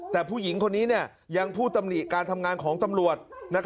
แต่ผู้หญิงคนนี้ยังพูดตำหนิการทำงานของตำรวจ